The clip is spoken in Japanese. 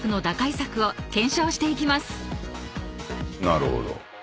なるほど。